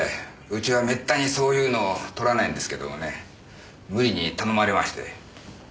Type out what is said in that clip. うちはめったにそういうの採らないんですけどもね無理に頼まれまして。